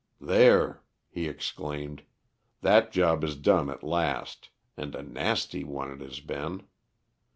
"There," he exclaimed, "that job is done at last, and a nasty one it has been.